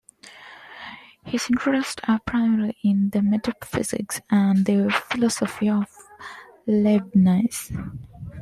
His interests are primarily in Metaphysics and the philosophy of Leibniz.